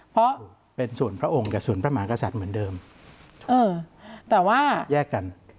เพราะเป็นส่วนพระองค์กับส่วนพระมหากษัตริย์เหมือนเดิมเออแต่ว่าแยกกัน